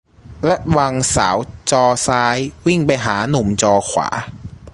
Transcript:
ระวังสาวจอซ้ายวิ่งไปหาหนุ่มจอขวา